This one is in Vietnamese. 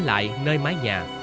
lại nơi mái nhà